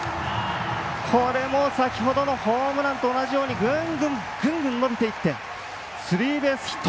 これも先ほどのホームランと同じようにグングン伸びていってスリーベースヒット。